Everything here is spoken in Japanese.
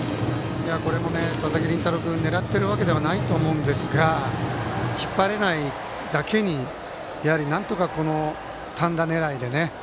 これも佐々木麟太郎君狙っているわけではないと思うんですが引っ張れないだけになんとか単打狙いでね。